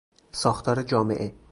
ساختار جامعه